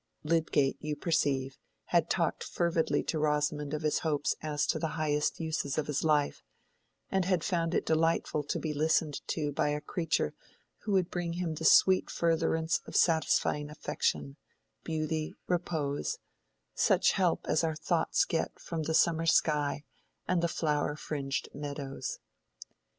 Lydgate, you perceive, had talked fervidly to Rosamond of his hopes as to the highest uses of his life, and had found it delightful to be listened to by a creature who would bring him the sweet furtherance of satisfying affection—beauty—repose—such help as our thoughts get from the summer sky and the flower fringed meadows.